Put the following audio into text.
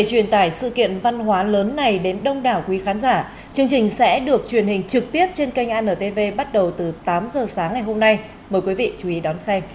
chương trình sẽ được truyền hình trực tiếp trên kênh antv bắt đầu từ tám h sáng ngày hôm nay mời quý vị chú ý đón xem